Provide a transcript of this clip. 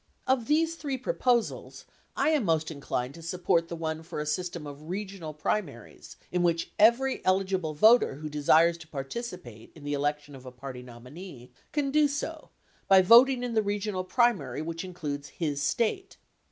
Of these three proposals, I am most inclined to support the one for a system of regional primaries in which every eligible voter who desires to participate in the selection of a party nominee can do so by voting in the regional primary which includes his State.